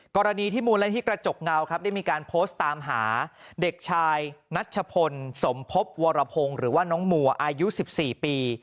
กรณีที่มูลนิธิกระจกเงาครับได้มีการโพสต์ตามหาเด็กชายนัชพลสมภพวรพงศ์หรือว่าน้องมัวอายุ๑๔ปี